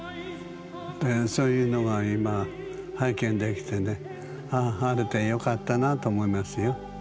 そういうのが今拝見できてねああ晴れてよかったなと思いますよ。